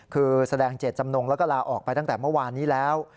คือแสดงเจตจำนงแล้วก็ลาออกไปตั้งแต่เมื่อวานนี้แล้ว